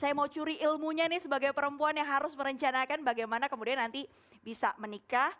saya mau curi ilmunya nih sebagai perempuan yang harus merencanakan bagaimana kemudian nanti bisa menikah